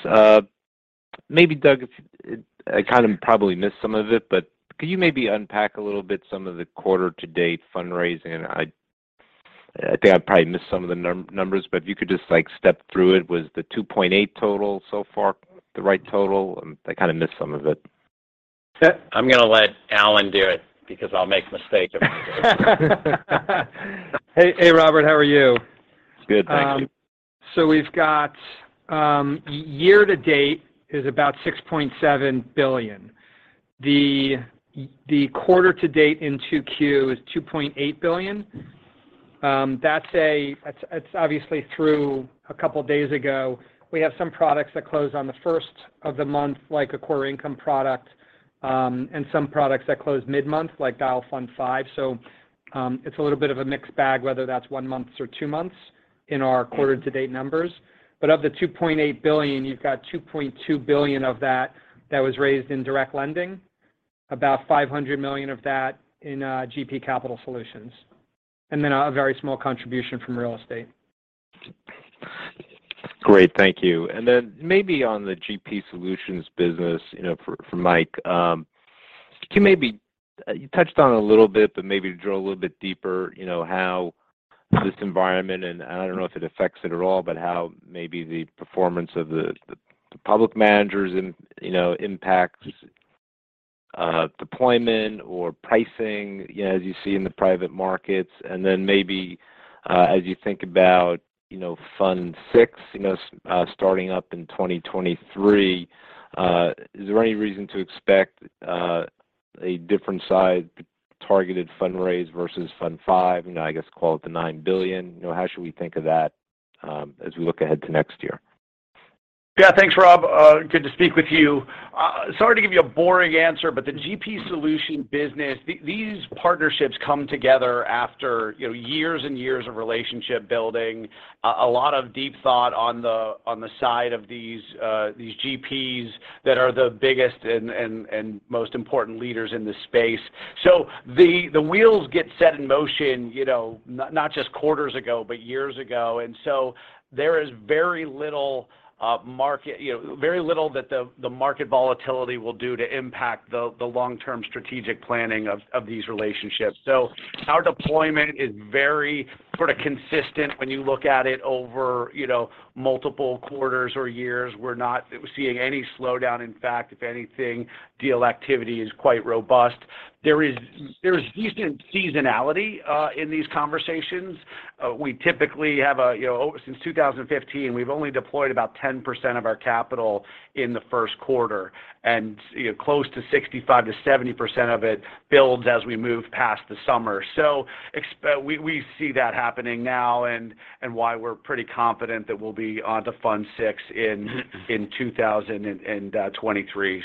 Maybe Doug, I kinda probably missed some of it, but could you maybe unpack a little bit some of the quarter to date fundraising? I think I probably missed some of the numbers, but if you could just like step through it. Was the 2.8 total so far the right total? I kinda missed some of it. I'm gonna let Alan do it because I'll make a mistake if I do it. Hey, Robert. How are you? Good. Thank you. We've got, year to date is about $6.7 billion. The quarter to date in 2Q is $2.8 billion. That's obviously through a couple days ago. We have some products that close on the first of the month, like a core income product, and some products that close mid-month, like Dyal Fund Five. It's a little bit of a mixed bag, whether that's one month or two months in our quarter to date numbers. Of the $2.8 billion, you've got $2.2 billion of that that was raised in direct lending, about $500 million of that in GP Capital Solutions, and then a very small contribution from real estate. Great. Thank you. Maybe on the GP Solutions business, you know, for Mike, can you maybe. You touched on it a little bit, but maybe drill a little bit deeper, you know, how this environment, and I don't know if it affects it at all, but how maybe the performance of the public managers in, you know, impacts deployment or pricing as you see in the private markets. Maybe, as you think about, you know, fund six, you know, starting up in 2023, is there any reason to expect a different size targeted fundraise versus fund five? You know, I guess call it the $9 billion. You know, how should we think of that, as we look ahead to next year? Yeah, thanks Rob. Good to speak with you. Sorry to give you a boring answer, but the GP Solutions business, these partnerships come together after, you know, years and years of relationship building. A lot of deep thought on the side of these GPs that are the biggest and most important leaders in this space. The wheels get set in motion, you know, not just quarters ago, but years ago. There is very little market volatility that will do to impact the long-term strategic planning of these relationships. Our deployment is very sort of consistent when you look at it over, you know, multiple quarters or years. We're not seeing any slowdown. In fact, if anything, deal activity is quite robust. There is seasonality in these conversations. We typically have. You know, since 2015, we've only deployed about 10% of our capital in the first quarter. You know, close to 65%-70% of it builds as we move past the summer. We see that happening now and why we're pretty confident that we'll be on to fund six in 2023.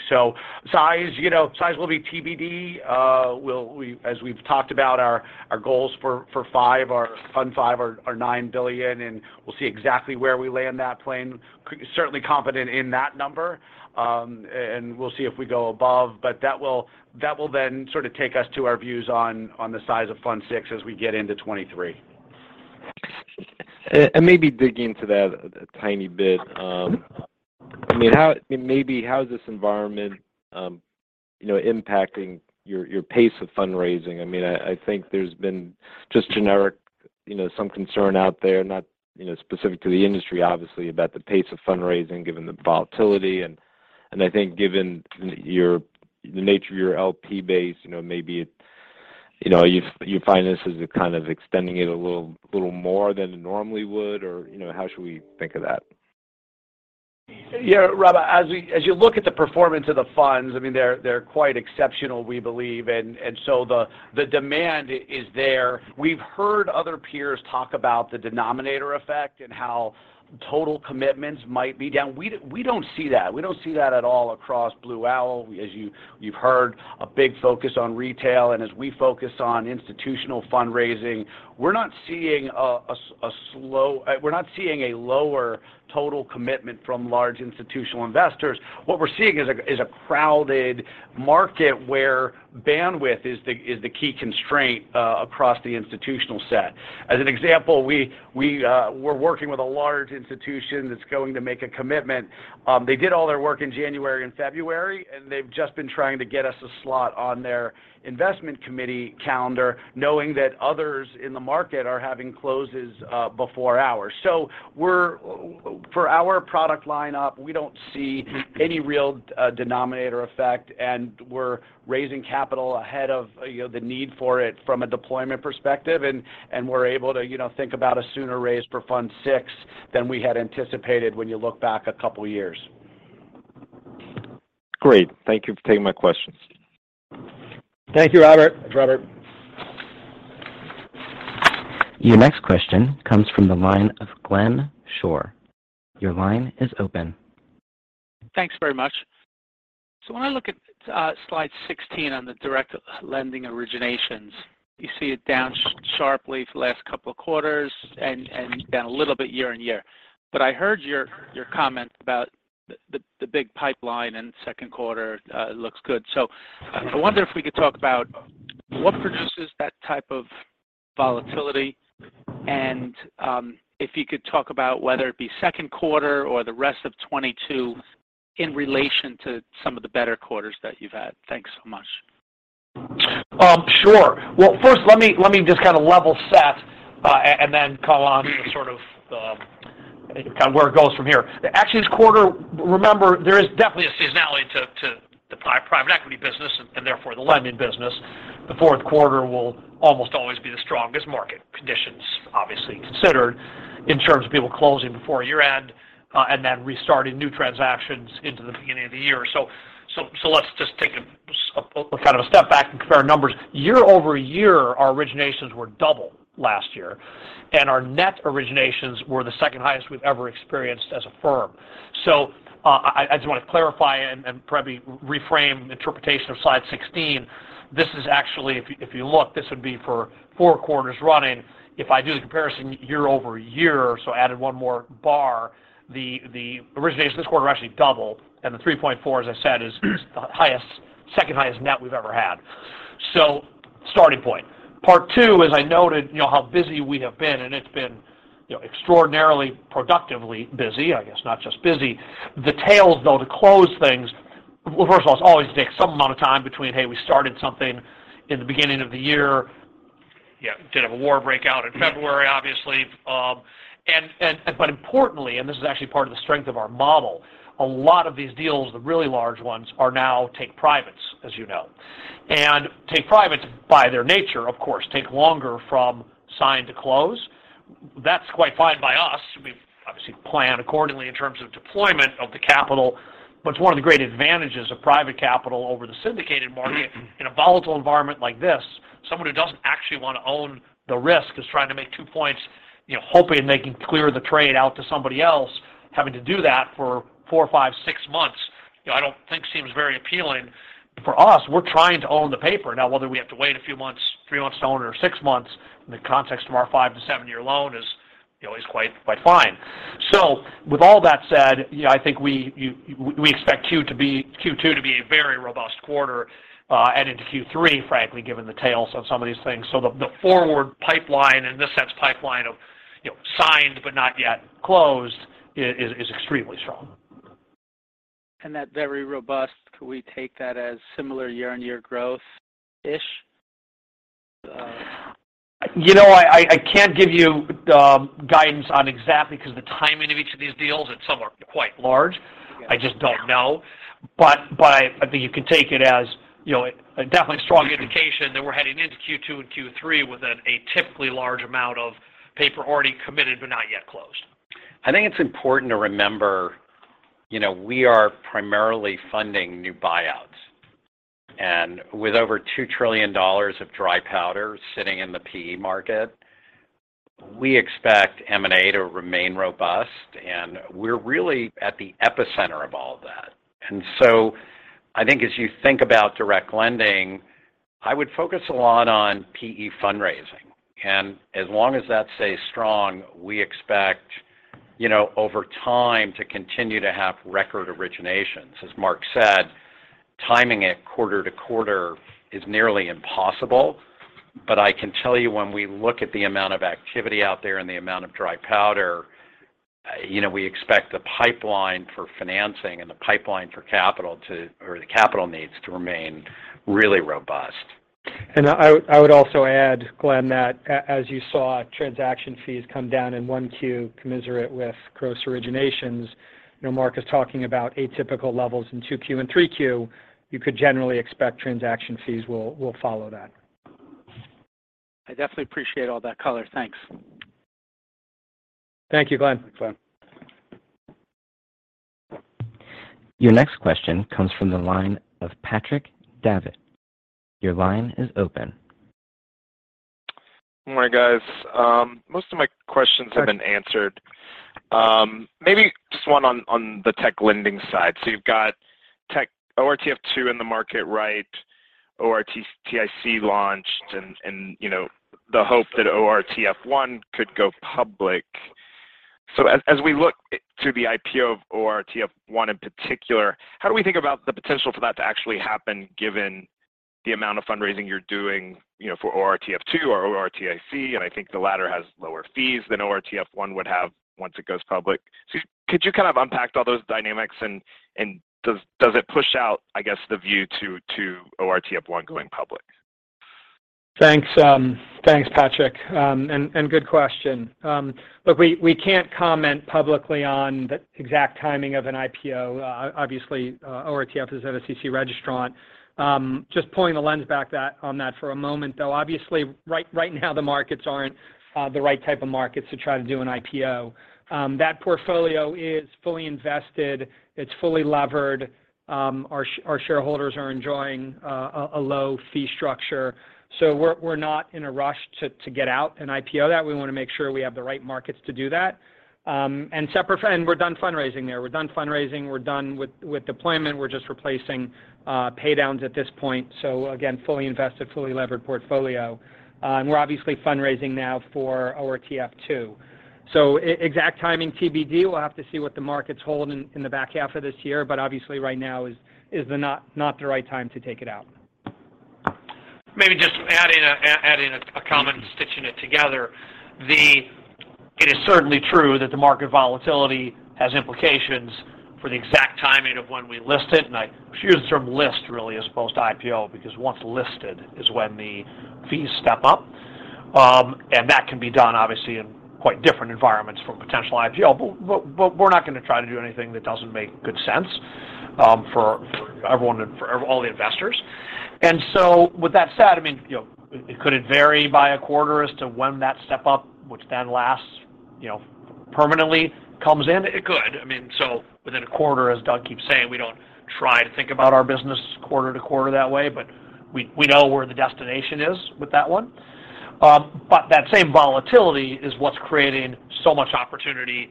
Size, you know, will be TBD. We'll as we've talked about our goals for five, our fund five are $9 billion, and we'll see exactly where we land that plane. Certainly confident in that number. We'll see if we go above. That will then sort of take us to our views on the size of fund six as we get into 2023. Maybe digging into that a tiny bit. I mean, how is this environment, you know, impacting your pace of fundraising? I mean, I think there's been just generic, you know, some concern out there, not, you know, specific to the industry obviously, about the pace of fundraising given the volatility. I think given your, the nature of your LP base, you know, maybe you find this as a kind of extending it a little more than it normally would or, you know, how should we think of that? Yeah, Rob, as you look at the performance of the funds, I mean they're quite exceptional, we believe. So the demand is there. We've heard other peers talk about the denominator effect and how total commitments might be down. We don't see that. We don't see that at all across Blue Owl. As you've heard, a big focus on retail, and as we focus on institutional fundraising, we're not seeing a lower total commitment from large institutional investors. What we're seeing is a crowded market where bandwidth is the key constraint across the institutional set. As an example, we're working with a large institution that's going to make a commitment. They did all their work in January and February, and they've just been trying to get us a slot on their investment committee calendar, knowing that others in the market are having closes before ours. For our product lineup, we don't see any real denominator effect, and we're raising capital ahead of, you know, the need for it from a deployment perspective. We're able to, you know, think about a sooner raise for fund six than we had anticipated when you look back a couple years. Great. Thank you for taking my questions. Thank you, Robert. Thanks, Marc. Your next question comes from the line of Glenn Schorr. Your line is open. Thanks very much. When I look at slide 16 on the direct lending originations, you see it down sharply for the last couple of quarters and down a little bit year-over-year. I heard your comment about the big pipeline and second quarter looks good. I wonder if we could talk about what produces that type of volatility, and if you could talk about whether it be second quarter or the rest of 2022 in relation to some of the better quarters that you've had. Thanks so much. Sure. Well, first let me just kind of level set and then come on to sort of the kind of where it goes from here. Actually, this quarter, remember, there is definitely a seasonality to the private equity business and therefore the lending business. The fourth quarter will almost always be the strongest market conditions, obviously considered in terms of people closing before year-end and then restarting new transactions into the beginning of the year. Let's just take a kind of step back and compare numbers. Year-over-year, our originations were double last year, and our net originations were the second highest we've ever experienced as a firm. I just want to clarify and probably reframe the interpretation of slide 16. This is actually, if you look, this would be for 4 quarters running. If I do the comparison year-over-year, added 1 more bar, the originations this quarter are actually double. The 3.4, as I said, is the highest, second-highest net we've ever had. Starting point. Part two, as I noted, you know how busy we have been, and it's been, you know, extraordinarily productively busy, I guess, not just busy. The tails, though, to close things, well, first of all, it's always takes some amount of time between, hey, we started something in the beginning of the year. Yeah, did have a war breakout in February, obviously. But importantly, this is actually part of the strength of our model, a lot of these deals, the really large ones, are now take privates, as you know. Take privates by their nature, of course, take longer from sign to close. That's quite fine by us. We obviously plan accordingly in terms of deployment of the capital, but it's one of the great advantages of private capital over the syndicated market in a volatile environment like this. Someone who doesn't actually wanna own the risk is trying to make two points, you know, hoping they can clear the trade out to somebody else. Having to do that for 4, 5, 6 months, you know, I don't think seems very appealing. But for us, we're trying to own the paper. Now, whether we have to wait a few months, 3 months to own it, or 6 months in the context of our 5-7-year loan is, you know, quite fine. With all that said, you know, I think we expect Q2 to be a very robust quarter, and into Q3, frankly, given the tails on some of these things. The forward pipeline, in this sense pipeline of, you know, signed but not yet closed is extremely strong. That very robust, could we take that as similar year-on-year growth-ish? You know, I can't give you guidance on exactly 'cause the timing of each of these deals, and some are quite large. I just don't know. I think you can take it as, you know, a definitely strong indication that we're heading into Q2 and Q3 with a typically large amount of paper already committed, but not yet closed. I think it's important to remember, you know, we are primarily funding new buyouts. With over $2 trillion of dry powder sitting in the PE market, we expect M&A to remain robust, and we're really at the epicenter of all of that. I think as you think about direct lending, I would focus a lot on PE fundraising. As long as that stays strong, we expect, you know, over time to continue to have record originations. As Marc said, timing it quarter to quarter is nearly impossible. I can tell you when we look at the amount of activity out there and the amount of dry powder, you know, we expect the pipeline for financing or the capital needs to remain really robust. I would also add, Glenn, that as you saw transaction fees come down in 1Q commensurate with gross originations, you know, Marc is talking about atypical levels in 2Q and 3Q. You could generally expect transaction fees will follow that. I definitely appreciate all that color. Thanks. Thank you, Glenn. Thanks, Glenn. Your next question comes from the line of Patrick Davitt. Your line is open. Good morning, guys. Most of my questions have been answered. Maybe just one on the tech lending side. You've got tech ORTF 2 in the market, right? ORTIC launched and you know the hope that ORTF 1 could go public. As we look to the IPO of ORTF 1 in particular, how do we think about the potential for that to actually happen given the amount of fundraising you're doing, you know, for ORTF 2 or ORTIC? I think the latter has lower fees than ORTF 1 would have once it goes public. Could you kind of unpack all those dynamics and does it push out, I guess, the view to ORTF 1 going public? Thanks, Patrick. Good question. Look, we can't comment publicly on the exact timing of an IPO. Obviously, ORTF is an SEC registrant. Just pulling the lens back on that for a moment, though, obviously right now the markets aren't the right type of markets to try to do an IPO. That portfolio is fully invested. It's fully levered. Our shareholders are enjoying a low fee structure. We're not in a rush to get out and IPO that. We wanna make sure we have the right markets to do that. We're done fundraising there. We're done fundraising. We're done with deployment. We're just replacing pay downs at this point. Again, fully invested, fully levered portfolio. We're obviously fundraising now for ORTF 2. Exact timing TBD. We'll have to see what the markets hold in the back half of this year, but obviously right now is not the right time to take it out. It is certainly true that the market volatility has implications for the exact timing of when we list it, and I prefer the term list really as opposed to IPO, because once listed is when the fees step up. That can be done obviously in quite different environments from a potential IPO. We're not gonna try to do anything that doesn't make good sense, for everyone and for all the investors. With that said, I mean, you know, could it vary by a quarter as to when that step up, which then lasts, you know, permanently comes in? It could. I mean, within a quarter, as Doug keeps saying, we don't try to think about our business quarter to quarter that way. We know where the destination is with that one. That same volatility is what's creating so much opportunity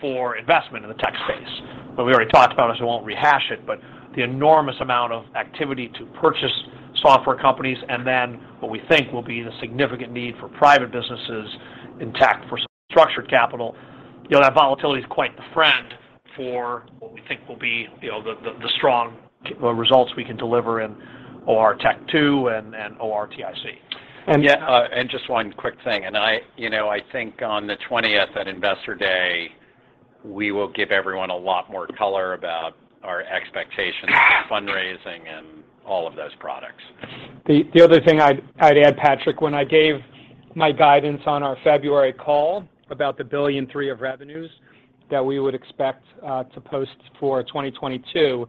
for investment in the tech space. We already talked about this, so I won't rehash it, but the enormous amount of activity to purchase software companies and then what we think will be the significant need for private businesses intact for structured capital. You know, that volatility is quite the friend for what we think will be, you know, the strong key results we can deliver in ORTF II and ORTIC. And- Just one quick thing, you know, I think on the 20th at Investor Day, we will give everyone a lot more color about our expectations for fundraising and all of those products. The other thing I'd add, Patrick, when I gave my guidance on our February call about the $1.3 billion of revenues that we would expect to post for 2022,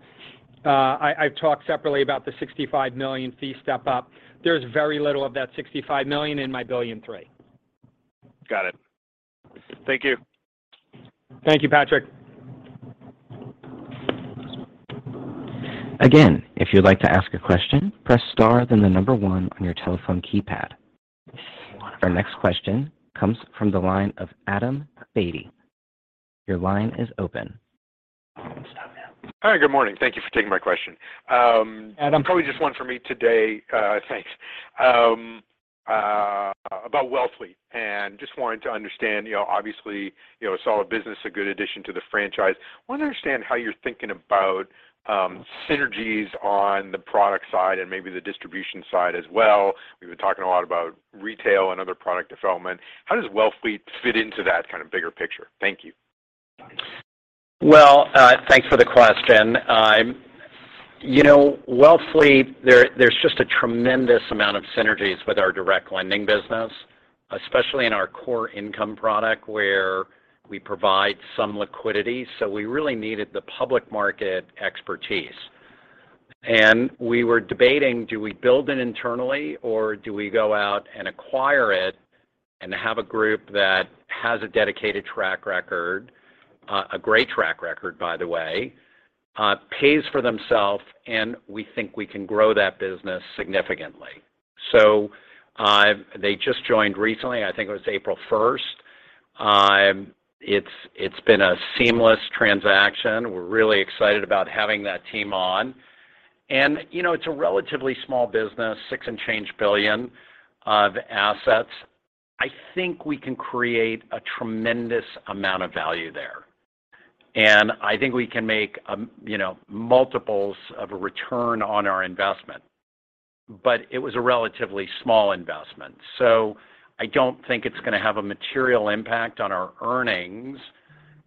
I've talked separately about the $65 million fee step up. There's very little of that $65 million in my $1.3 billion. Got it. Thank you. Thank you, Patrick. Again, if you'd like to ask a question, press star then the number one on your telephone keypad. Our next question comes from the line of Adam Beatty. Your line is open. Hi. Good morning. Thank you for taking my question. Adam. Probably just one for me today, about Wellfleet, and just wanted to understand, you know, obviously, you know, a solid business, a good addition to the franchise. Want to understand how you're thinking about, synergies on the product side and maybe the distribution side as well. We've been talking a lot about retail and other product development. How does Wellfleet fit into that kind of bigger picture? Thank you. Well, thanks for the question. You know, Wellfleet, there's just a tremendous amount of synergies with our direct lending business, especially in our core income product where we provide some liquidity. We really needed the public market expertise. We were debating, do we build it internally or do we go out and acquire it and have a group that has a dedicated track record, a great track record, by the way, pays for themselves, and we think we can grow that business significantly. They just joined recently, I think it was April first. It's been a seamless transaction. We're really excited about having that team on. You know, it's a relatively small business, $6 billion and change of assets. I think we can create a tremendous amount of value there. I think we can make, you know, multiples of a return on our investment. It was a relatively small investment. I don't think it's gonna have a material impact on our earnings,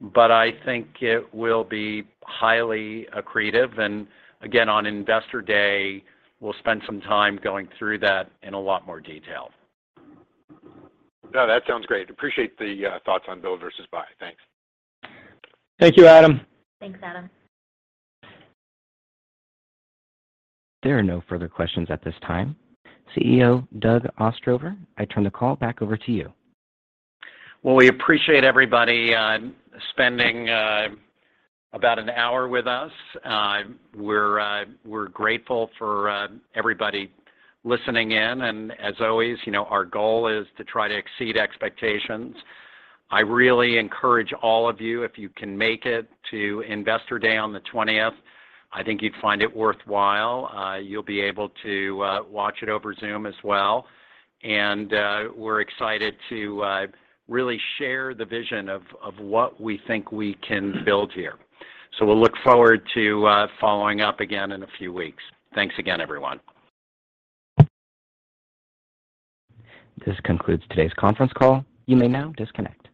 but I think it will be highly accretive. Again, on Investor Day, we'll spend some time going through that in a lot more detail. No, that sounds great. Appreciate the thoughts on build versus buy. Thanks. Thank you, Adam. Thanks, Adam. There are no further questions at this time. CEO Doug Ostrover, I turn the call back over to you. Well, we appreciate everybody spending about an hour with us. We're grateful for everybody listening in. As always, you know, our goal is to try to exceed expectations. I really encourage all of you, if you can make it to Investor Day on the twentieth, I think you'd find it worthwhile. You'll be able to watch it over Zoom as well. We're excited to really share the vision of what we think we can build here. We'll look forward to following up again in a few weeks. Thanks again, everyone. This concludes today's conference call. You may now disconnect.